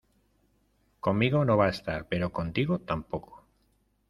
conmigo no va a estar, pero contigo tampoco.